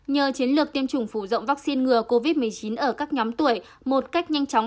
nhờ chiến lược tiêm chủng phủ rộng vaccine ngừa covid một mươi chín ở các nhóm tuổi một cách nhanh chóng